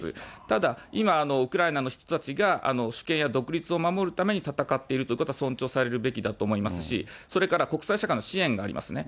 ただ、今、ウクライナの人たちが主権や独立を守るために戦っているということは尊重されるべきだと思いますし、それから、国際社会の支援がありますね。